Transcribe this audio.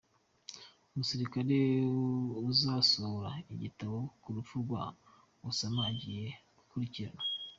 Umusirikari uzasohora igitabo ku rupfu rwa Osama agiye gukurukiranwa